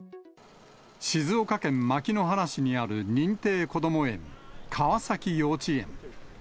静岡県牧之原市にある認定こども園、川崎幼稚園。